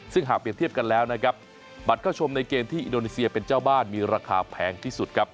ซึ่งหากเปรียบเทียบกันแล้วนะครับบัตรเข้าชมในเกมที่อินโดนีเซียเป็นเจ้าบ้านมีราคาแพงที่สุดครับ